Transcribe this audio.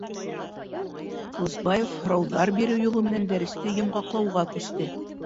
Ҡылысбаев һорауҙар биреү юлы менән дәресте йомғаҡлауға күсте.